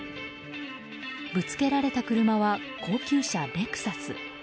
ぶつけられた車は高級車レクサス。